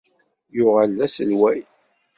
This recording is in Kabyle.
Yuɣal d aselway.